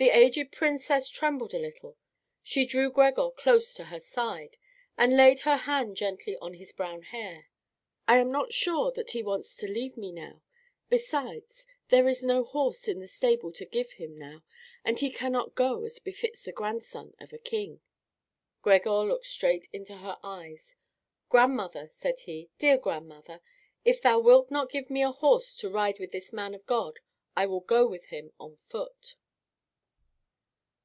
The aged princess trembled a little. She drew Gregor close to her side, and laid her hand gently on his brown hair. "I am not sure that he wa there is no horse in the stable to give him, now, and he cannot go as befits the grandson of a king." Gregor looked straight into her eyes. "Grandmother," said he, "dear grandmother, if thou wilt not give me a horse to ride with this man of God, I will go with him afoot."